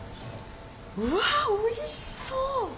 うわっおいしそう！